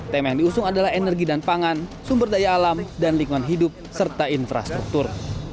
tema yang diusung adalah energi dan pangan sumber daya alam dan lingkungan hidup serta infrastruktur